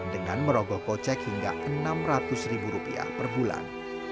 dengan merogoh kocek hingga rp enam ratus per bulan